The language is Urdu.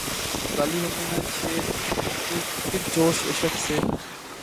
غالب ہمیں نہ چھیڑ کہ پھر جوشِ اشک سے